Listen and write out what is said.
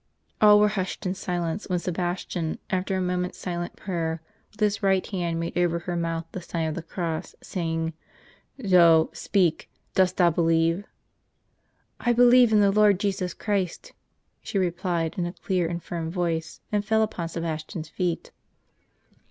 All were hushed in silence, when Sebastian, after a moment's silent prayer, with his right hand made over her mouth the sign of the cross, saying: "Zoe, speak; dost thou believe? " "I believe in the Lord Jesus Christ," she replied, in a clear and firm voice, and fell upon Sebastian's feet.